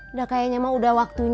udah kayaknya mau udah waktu